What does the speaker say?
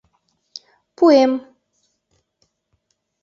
— Пуэм.